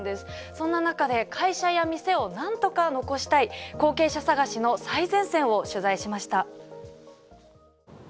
そんな中で会社や店を何とか残したい後継者探しの最前線を取材しました。